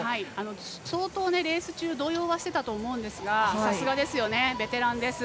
相当レース中動揺していたと思うんですがさすがですよね、ベテランです。